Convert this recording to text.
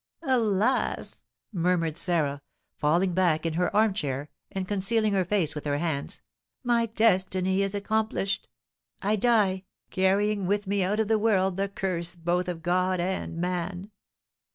"Alas!" murmured Sarah, falling back in her armchair, and concealing her face with her hands, "my destiny is accomplished! I die, carrying with me out of the world the curse both of God and man!"